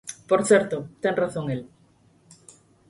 Por certo, ten razón el.